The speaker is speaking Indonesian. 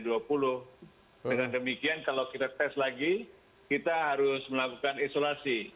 dengan demikian kalau kita tes lagi kita harus melakukan isolasi